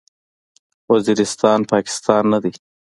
وزیرستان، پاکستان نه دی.